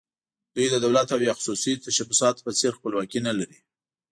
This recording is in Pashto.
دوی د دولت او یا خصوصي تشبثاتو په څېر خپلواکي نه لري.